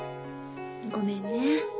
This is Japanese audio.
ごめんね。